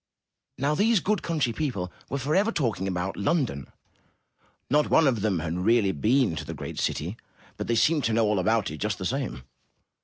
Now, these good country people were forever talking about London. Not one of them had really been to the great city, but they seemed to know all about it just the same.